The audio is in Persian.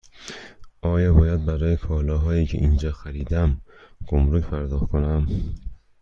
آیا باید برای کالاهایی که اینجا خریدم گمرگ پرداخت کنم؟